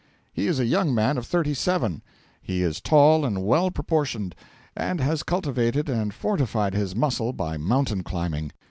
He is a young man of thirty seven. He is tall and well proportioned, and has cultivated and fortified his muscle by mountain climbing.